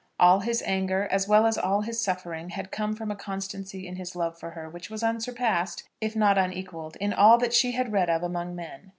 All his anger, as well as all his suffering, had come from a constancy in his love for her, which was unsurpassed, if not unequalled, in all that she had read of among men.